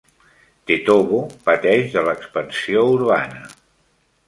Tetovo pateix de l'expansió urbana.